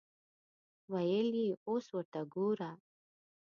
ویل یې اوس ورته ګوره.